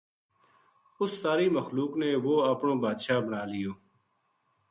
اس ساری مخلوق نے وہ اپنو بادشاہ بنا لیو